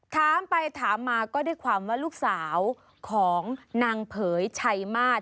ถามไปถามมาก็ได้ความว่าลูกสาวของนางเผยชัยมาส